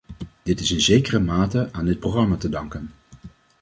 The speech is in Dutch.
Dit is in zekere mate aan dit programma te danken.